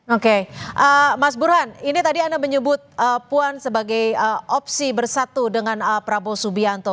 oke mas burhan ini tadi anda menyebut puan sebagai opsi bersatu dengan prabowo subianto